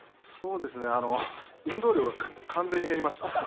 そうですね、運動量が完全に減りました。